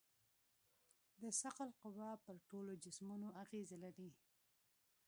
د ثقل قوه پر ټولو جسمونو اغېز لري.